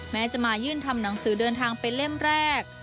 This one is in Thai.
แม้จะมายื่นทำหนังสือเดินทางเป็นเล่มแรก